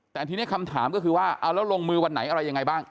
แต่ทีนี้คำถามก็คือว่าเอาแล้วลงมือวันไหนอะไรยังไงบ้าง